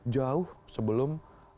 jauh sebelum empat puluh